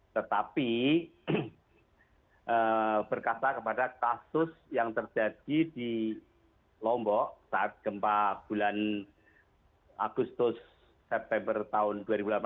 tetapi berkata kepada kasus yang terjadi di lombok saat gempa bulan agustus september tahun dua ribu delapan belas